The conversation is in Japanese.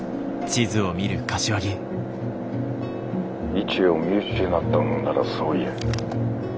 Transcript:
位置を見失ったのならそう言え。